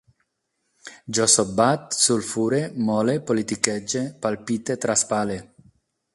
Jo sotbat, sulfure, mole, politiquege, palpite, traspale